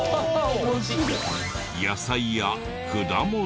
野菜や果物も。